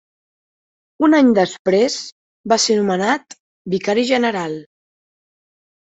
Un any després, va ser nomenat Vicari general.